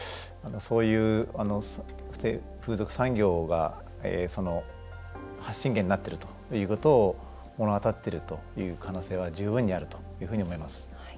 そういう風俗産業が発信源になっているということを物語っているという可能性は十分にあるというふうに思います。